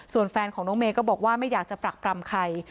ส่วนแฟนของน้องเมย์ก็บอกว่าไม่อยากจะปรักปรำใคร